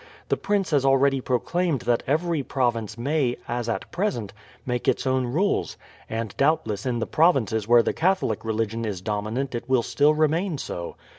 The prince has already proclaimed that every province may, as at present, make its own rules. And doubtless in the provinces where the Catholic religion is dominant it will still remain so.